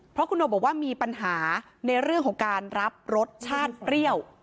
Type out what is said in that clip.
เพราะคุณโนบอกว่ามีปัญหาในเรื่องของการรับรสชาติเปรี้ยว